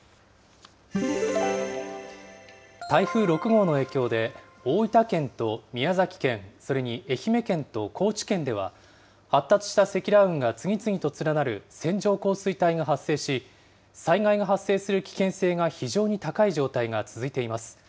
台風６号の影響で、大分県と宮崎県、それに愛媛県と高知県では、発達した積乱雲が次々と連なる線状降水帯が発生し、災害が発生する危険性が非常に高い状態が続いています。